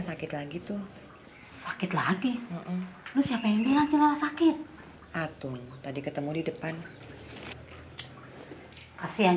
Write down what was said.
sakit lagi tuh sakit lagi lu siapa yang bilang celana sakit atun tadi ketemu di depan kasihan